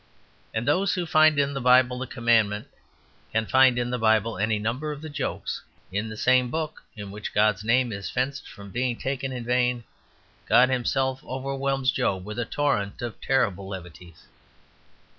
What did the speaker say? And those who find in the Bible the commandment can find in the Bible any number of the jokes. In the same book in which God's name is fenced from being taken in vain, God himself overwhelms Job with a torrent of terrible levities.